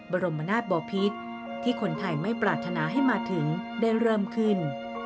บรมนาศบอพิษที่คนไทยไม่ปรารถนาให้มาถึงได้เริ่มขึ้น